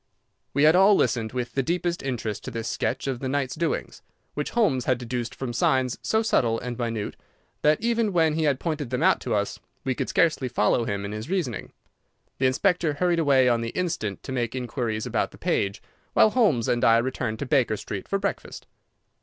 We had all listened with the deepest interest to this sketch of the night's doings, which Holmes had deduced from signs so subtle and minute that, even when he had pointed them out to us, we could scarcely follow him in his reasoning. The inspector hurried away on the instant to make inquiries about the page, while Holmes and I returned to Baker Street for breakfast.